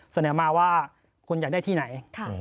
เสนอมาว่าคุณอยากได้ที่ไหน